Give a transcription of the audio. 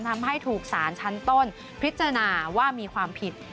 ทำให้ถูกสารชั้นต้นพิจารณาว่ามีความผิด